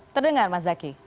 terdengar mas zaky